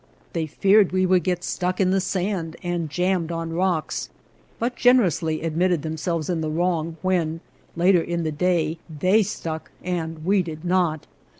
They feared we would get stuck in the sand and jammed on rocks; but gener ously admitted themselves in the wrong when, later in the day, they stuck and we did not.